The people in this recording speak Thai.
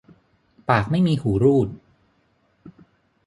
ปากไม่มีหูรูด